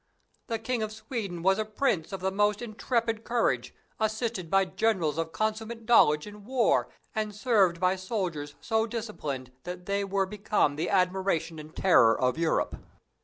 The King of Sweden was a prince of the most intrepid courage, assisted by generals of consummate knowledge in war, and served by soldiers so disciplined that they were become the admiration and terror of Europe.